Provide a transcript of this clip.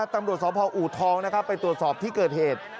ตำรวจสพอูทองไปตรวจสอบที่เกิดเหตุ